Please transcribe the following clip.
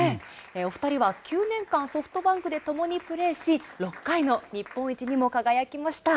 お２人は９年間、ソフトバンクで共にプレーし、６回の日本一にも輝きました。